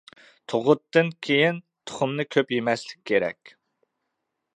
تۇغۇتتىن كېيىن تۇخۇمنى كۆپ يېمەسلىك كېرەك.